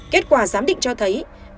kết quả giám định cho thấy